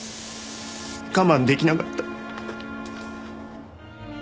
我慢できなかった。